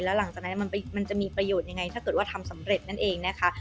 แล้วหลังจากนั้นมันจะมีประโยชน์ยังไงถ้าเกิดว่าทำสำเร็จนั่นเองนะคะ